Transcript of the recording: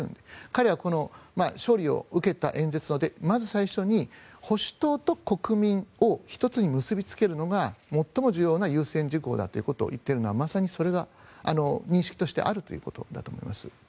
かれは勝利を受けた演説でまず最初に保守党と国民を１つに結びつけるのが最も重要な優先事項だと言っているのはまさにそれが認識としてあるということだと思います。